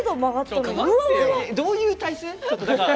どういう体勢？